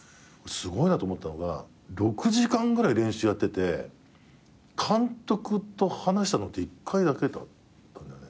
すごいなと思ったのが６時間ぐらい練習やってて監督と話したのって１回だけだったんだよね。